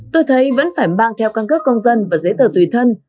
tôi thấy vẫn phải mang theo căn cước công dân và giấy tờ tùy thân